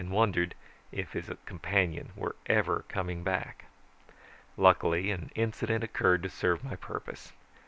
Book Excerpt companion were ever coming back. Luckily, an incident occurred to serve my purpose.